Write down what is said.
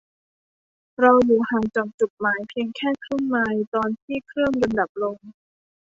เราอยู่ห่างจากจุดหมายเพียงแค่ครึ่งไมล์ตอนที่เครื่องยนต์ดับลง